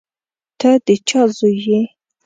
ته د چا زوی یې.